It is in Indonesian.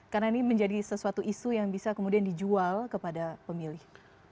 karena ini menjadi sesuatu isu yang bisa kemudian dijual kepada pemilih